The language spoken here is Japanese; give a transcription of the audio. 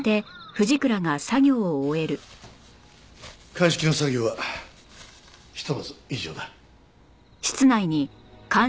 鑑識の作業はひとまず以上だ。